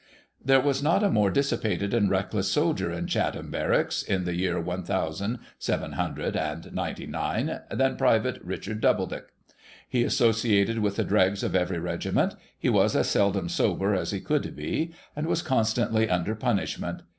There was not a more dissipated and reckless soldier in Chatham barracks, in the year one thousand seven hundred and ninety nine, than Private Richard Doubledick, He associated with the dregs of every regiment ; he was as seldom sober as he could be, and was constantly under punishment.